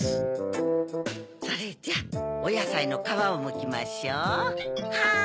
それじゃおやさいのかわをむきましょう。